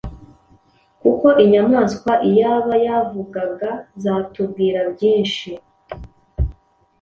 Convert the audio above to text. kuko inyamaswa iyaba zavugaga, zatubwira byinshi